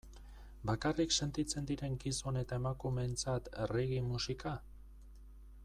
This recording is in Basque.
Bakarrik sentitzen diren gizon eta emakumeentzat reggae musika?